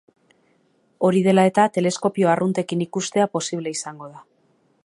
Hori dela eta, teleskopio arruntekin ikustea posible izango da.